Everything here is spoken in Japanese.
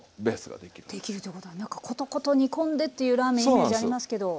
できるということはなんかコトコト煮込んでというラーメンイメージありますけど。